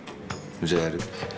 じゃあやる？